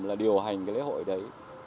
là điều hành cái lễ hội đấy